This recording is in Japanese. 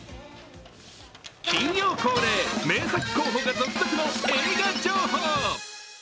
金曜恒例、名作候補が続々の映画情報。